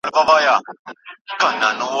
د غمازانو مخ به تور وو اوس به وي او کنه